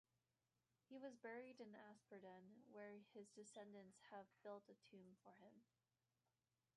He was buried in Asperden where his descendants have built a tomb for him.